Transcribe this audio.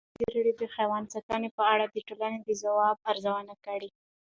ازادي راډیو د حیوان ساتنه په اړه د ټولنې د ځواب ارزونه کړې.